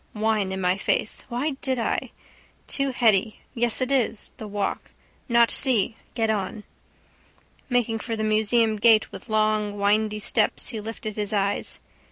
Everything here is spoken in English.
Wine in my face. Why did I? Too heady. Yes, it is. The walk. Not see. Get on. Making for the museum gate with long windy steps he lifted his eyes.